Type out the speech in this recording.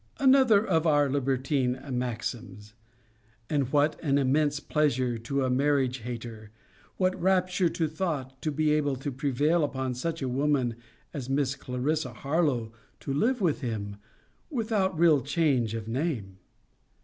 Another of our libertine maxims. And what an immense pleasure to a marriage hater, what rapture to thought, to be able to prevail upon such a woman as Miss Clarissa Harlowe to live with him, without real change of name!